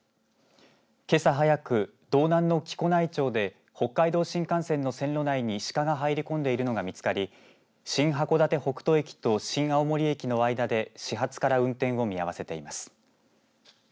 けさ早く道南の木古内町で北海道新幹線の線路内にシカが入り込んでいるのが見つかり新函館北斗駅と新青森駅の間で始発から運転を見合わせています。